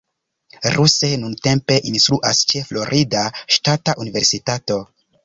Ruse nuntempe instruas ĉe Florida Ŝtata Universitato.